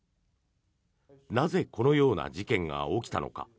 なぜ、このような事件が起きたのか。